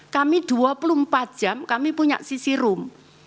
kami dua puluh empat jam kami punya sisi room